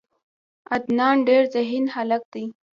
عدنان ډیر ذهین هلک ده.